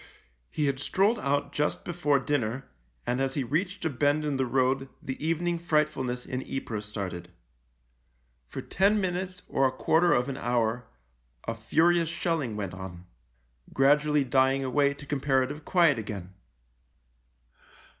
He had strolled out just before dinner, THE LIEUTENANT 15 and as he reached a bend in the road the evening Rightfulness in Ypres started. For ten minutes or a quarter of an hour a furious shelling went on, gradually dying away to comparative quiet again.